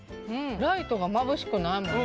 ライトがまぶしくないもんね